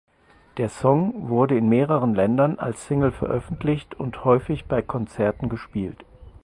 Der Song wurde in mehreren Ländern als Single veröffentlicht und häufig bei Konzerten gespielt.